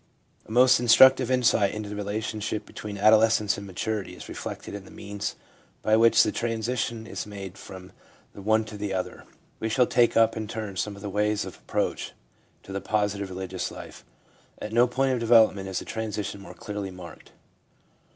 A most instructive insight into the relationship be tween adolescence and maturity is reflected in the means by which the transition is made from the one to the other. We shall take up in turn some of the ways of approach to the positive religious life. At no point of develop ment is the transition more clearly marked.